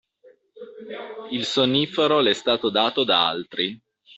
Il sonnifero le è stato dato da altri.